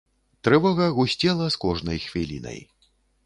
Трывога гусцела з кожнай хвілінай.